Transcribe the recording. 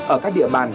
ở các địa bàn